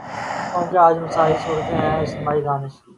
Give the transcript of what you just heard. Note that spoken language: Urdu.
قوم کو آج کسی مسیحا کی ضرورت ہے یا اجتماعی دانش کی؟